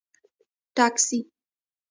🚖 ټکسي